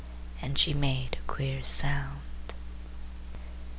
And she made a queer sound.